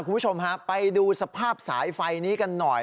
คุณผู้ชมฮะไปดูสภาพสายไฟนี้กันหน่อย